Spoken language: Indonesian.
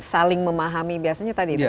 saling memahami biasanya tadi